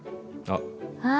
あっ。